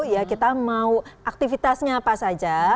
ya kita mau aktivitasnya apa saja